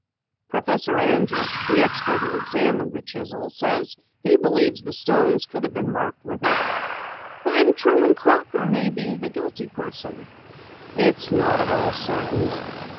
"Professor Anjus, the expert who examined the chisel, says he believes the stones could have been marked with it." "Then Truman Crocker may be the guilty person!" "It's not at all certain.